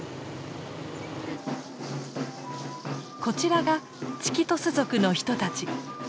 こちらがチキトス族の人たち。